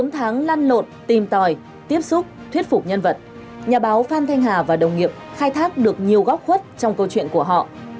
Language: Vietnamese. bốn tháng lan lộn tìm tòi tiếp xúc thuyết phục nhân vật nhà báo phan thanh hà và đồng nghiệp khai thác được nhiều góc khuất trong câu chuyện của họ